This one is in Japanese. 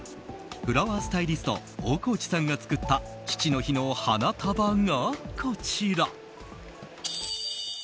フラワースタイリスト大河内さんが作った父の日の花束がこちら。